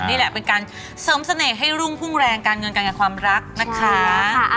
นี่แหละเป็นการเสริมเสน่ห์ให้รุ่งพุ่งแรงการเงินการกับความรักนะคะ